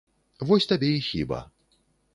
Вось табе і хіба.